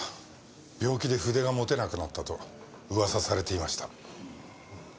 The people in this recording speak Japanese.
病気で筆が持てなくなったと噂されていました。